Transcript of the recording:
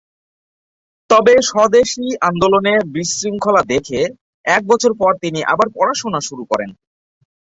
তবে স্বদেশী আন্দোলনে বিশৃঙ্খলা দেখে এক বছর পর তিনি আবার পড়াশোনা শুরু করেন।